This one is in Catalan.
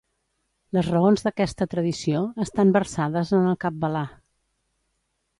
Les raons d'aquesta tradició estan versades en el Kabbalah.